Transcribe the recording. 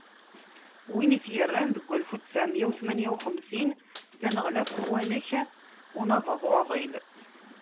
Win i t-yerran deg walef u ttɛemya u tmenya u xemsin d aneɣlaf n uwanek n Unabaḍ Uɛḍil.